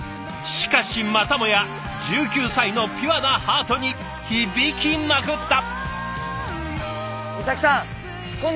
しかしまたもや１９歳のピュアなハートに響きまくった！